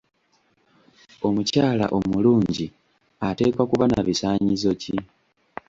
Omukyala omulungi ateekwa kuba na bisaanyizo ki?